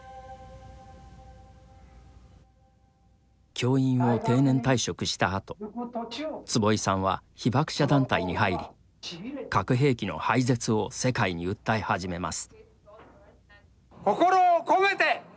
教員を定年退職したあと坪井さんは被爆者団体に入り核兵器の廃絶を世界に訴え始めます。